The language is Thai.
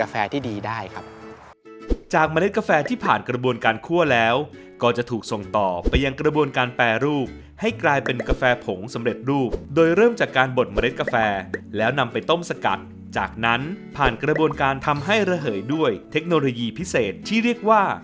สำเร็จรูปโดยเริ่มจากการบดเมล็ดกาแฟแล้วนำไปต้มสกัดจากนั้นผ่านกระบวนการทำให้ระเหยด้วยเทคโนโลยีพิเศษที่เรียกว่า